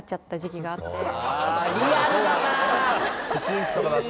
思春期とかだと。